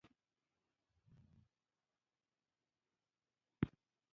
بهترین ما انتخابوي پوه شوې!.